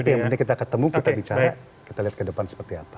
tapi yang penting kita ketemu kita bicara kita lihat ke depan seperti apa